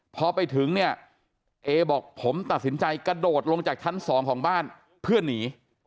พอไปถึงเนี่ยเอบอกผมตัดสินใจกระโดดลงจากชั้น๒ของบ้านเพื่อหนี